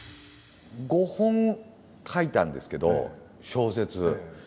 ５本書いたんですけど小説。